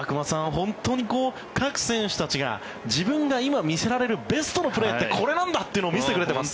本当に各選手たちが自分が今、見せられるベストのプレーはこれなんだっていうのを見せてくれてます。